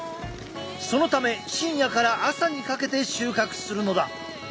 そのため深夜から朝にかけて収穫するのだ。